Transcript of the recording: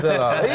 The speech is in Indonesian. pak gub ke kiri